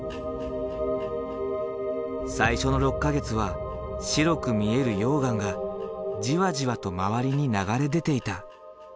最初の６か月は白く見える溶岩がじわじわと周りに流れ出ていた。